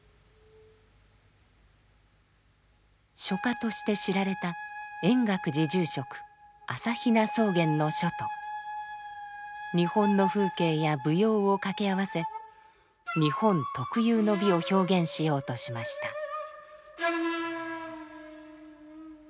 書家として知られた円覚寺住職朝比奈宗源の書と日本の風景や舞踊を掛け合わせ日本特有の美を表現しようとしました。